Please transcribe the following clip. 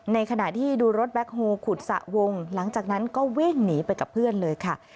ในขณะที่ดูรถแบ็คโฮลขุดสระวงหลังจากนั้นก็วิ่งหนีไปกับเพื่อนเลยค่ะ